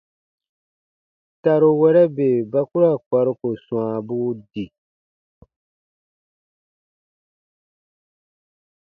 Taruwɛrɛ bè ba ku ra kparuko swãabuu di.